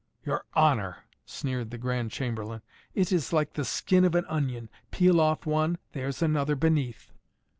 "Your honor!" sneered the Grand Chamberlain. "It is like the skin of an onion. Peel off one, there's another beneath."